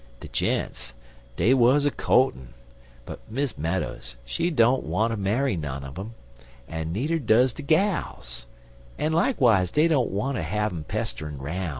De gents, dey wuz a co'tin, but Miss Meadows, she don't wanter marry none un um, en needer duz de gals, en likewise dey don't wanter have um pester'n 'roun.'